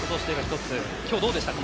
今日はどうでしたか？